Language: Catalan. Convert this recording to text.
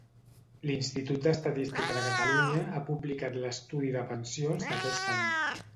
L'Institut d'Estadística de Catalunya ha publicat l'estudi de pensions d'aquest any.